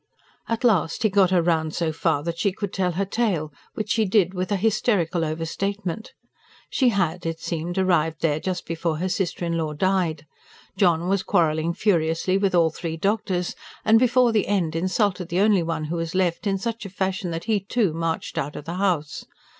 At last he got her round so far that she could tell her tale, which she did with a hysterical overstatement. She had, it seemed, arrived there just before her sister in law died. John was quarrelling furiously with all three doctors, and, before the end, insulted the only one who was left in such a fashion that he, too, marched out of the house.